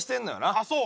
あっそう？